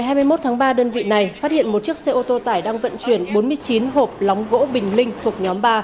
vào khoảng một mươi giờ ngày hai mươi một tháng ba đơn vị này phát hiện một chiếc xe ô tô tải đang vận chuyển bốn mươi chín hộp lóng gỗ bình linh thuộc nhóm ba